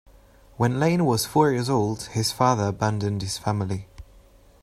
When Lane was four years old, his father abandoned his family.